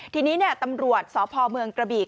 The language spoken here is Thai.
ทีนี้ตำรวจสพเมืองกระบี่